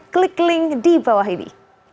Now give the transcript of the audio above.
klik link di bawah ini